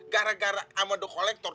gara gara sama dep kolektor